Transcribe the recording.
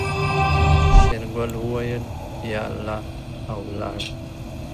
شېرګل وويل يا الله او ولاړ.